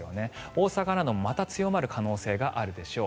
大阪などまた強まる可能性があるでしょう。